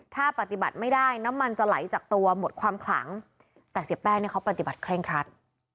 ถ้าปฏิบัติไม่ได้น้ำมันจะไหลจากตัวหมดความขลังแต่เสียแป้งเนี่ยเขาปฏิบัติเคร่งครัด